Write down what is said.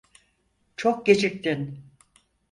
Çok geciktin.